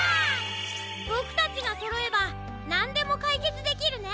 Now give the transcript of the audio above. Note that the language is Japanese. ボクたちがそろえばなんでもかいけつできるね！